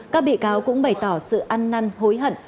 các bị cáo cũng bày tỏ sự ăn năn hối hận